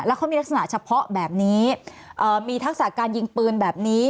เขามีลักษณะเฉพาะแบบนี้มีทักษะการยิงปืนแบบนี้